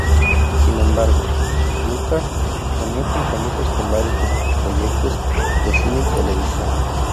Sin embargo, Lockhart tenía compromisos con varios otros proyectos de cine y televisión.